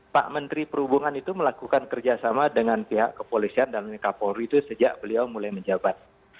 pak menteri perhubungan itu melakukan kerjasama dengan pihak kepolisian dan kapolri itu sejak beliau mulai menjabat